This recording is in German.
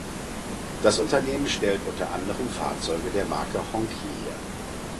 Das Unternehmen stellt unter anderem Fahrzeuge der Marke Hongqi her.